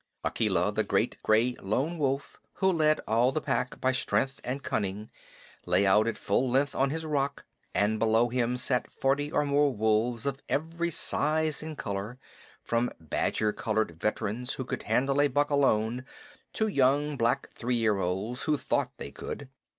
Akela, the great gray Lone Wolf, who led all the Pack by strength and cunning, lay out at full length on his rock, and below him sat forty or more wolves of every size and color, from badger colored veterans who could handle a buck alone to young black three year olds who thought they could.